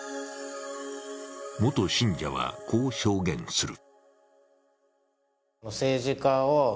元信者はこう証言する。